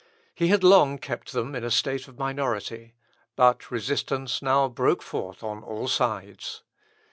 He had long kept them in a state of minority, but resistance now broke forth on all sides.